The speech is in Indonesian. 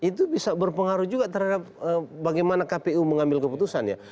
itu bisa berpengaruh juga terhadap bagaimana kpu mengambil keputusan ya